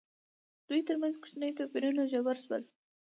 دوی ترمنځ کوچني توپیرونه ژور شول.